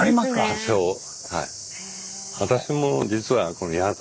多少はい。